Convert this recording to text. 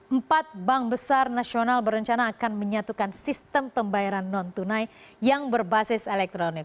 empat bank besar nasional berencana akan menyatukan sistem pembayaran non tunai yang berbasis elektronik